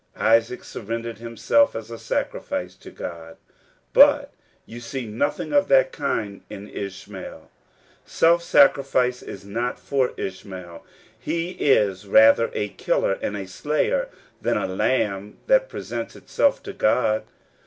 Isaac surrendered himself as a sacrifice to God ; but you see nothing of that kind in Ishmael. Self sacrifice is not for Ishmael ; he is rather a killer and a slayer than a Iamb that presents itself to God.